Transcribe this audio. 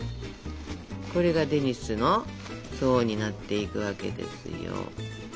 これがデニッシュの層になっていくわけですよ。